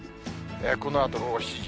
このあと午後７時。